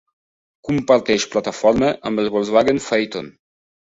Comparteix plataforma amb el Volkswagen Phaeton.